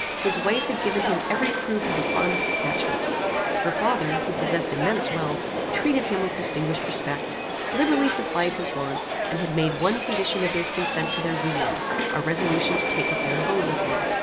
His wife had given him every proof of the fondest attachment. Her father, who possessed immense wealth, treated him with distinguished respect, liberally supplied his wants, and had made one condition of his consent to their union, a resolution to take up their abode with him.